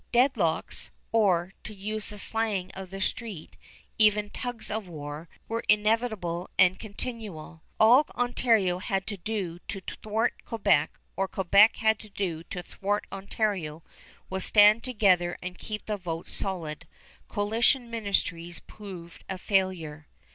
Deadlocks, or, to use the slang of the street, even tugs of war, were inevitable and continual. All Ontario had to do to thwart Quebec, or Quebec had to do to thwart Ontario, was to stand together and keep the votes solid. Coalition ministries proved a failure.